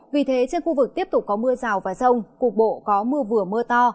vì thế trên khu vực tiếp tục có mưa rào và rông cục bộ có mưa vừa mưa to